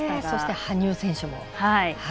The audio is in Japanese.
そして羽生選手も。